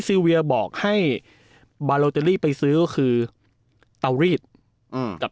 เวียบอกให้บาโลเตอรี่ไปซื้อก็คือเตารีดอืมกับ